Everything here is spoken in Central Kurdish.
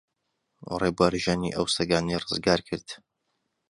ڕێبوار ژیانی ئەو سەگانەی ڕزگار کرد.